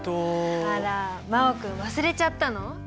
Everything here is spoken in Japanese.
あら真旺君忘れちゃったの？